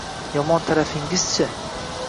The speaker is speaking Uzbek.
- Yomon tarafingiz-chi?